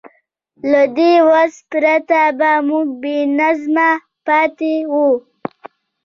له دې وس پرته به موږ بېنظمه پاتې وو.